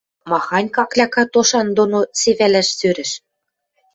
Махань какляка тошан доно севӓлӓш сӧрӹш?